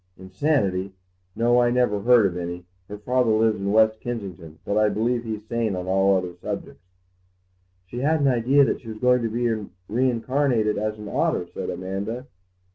"Insanity? No, I never heard of any. Her father lives in West Kensington, but I believe he's sane on all other subjects." "She had an idea that she was going to be reincarnated as an otter," said Amanda.